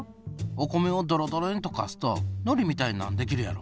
お米をどろどろに溶かすとのりみたいなんできるやろ？